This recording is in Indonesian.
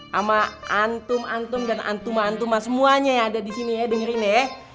sama antum antum dan antuma antuma semuanya yang ada disini ya dengerin ya